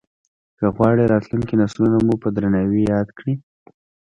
که غواړې راتلونکي نسلونه مو په درناوي ياد کړي.